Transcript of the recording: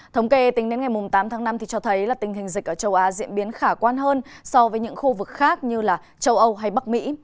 thống kê tính đến ngày tám tháng năm cho thấy tình hình dịch ở châu á diễn biến khả quan hơn so với những khu vực khác như châu âu hay bắc mỹ